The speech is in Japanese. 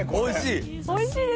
おいしい？